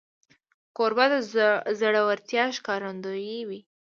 کوربه د زړورتیا ښکارندوی وي.